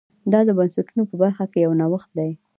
دا د بنسټونو په برخه کې یو نوښت دی.